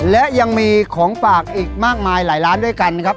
และยังมีของฝากอีกมากมายหลายร้านด้วยกันนะครับ